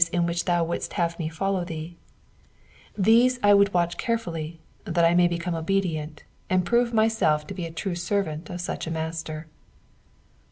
in which thou wouldest have me follow thee ; these I would watch carefully that I may become obedient, and prove myself to be a true servant of such a Master.